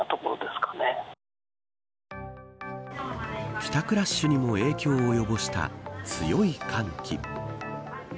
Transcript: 帰宅ラッシュにも影響を及ぼした強い寒気。